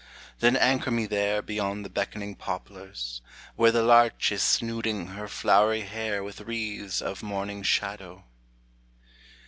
Then anchor me there Beyond the beckoning poplars, where The larch is snooding her flowery hair With wreaths of morning shadow.